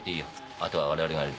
あとは我々がやる。